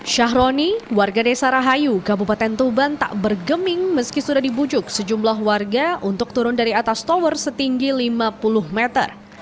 syahroni warga desa rahayu kabupaten tuban tak bergeming meski sudah dibujuk sejumlah warga untuk turun dari atas tower setinggi lima puluh meter